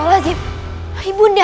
ustaz berulalazim ibu unda